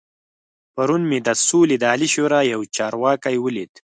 پرون مې د سولې د عالي شورا يو چارواکی ولید.